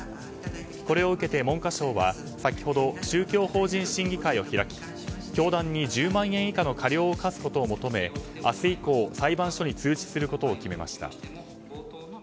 これを受けて文科省は先ほど、宗教法人審議会を開き教団に１０万円以下の過料を科すことを求め明日以降、裁判所に通知することを決めました。